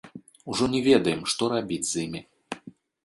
Ужо не ведаем, што рабіць з імі.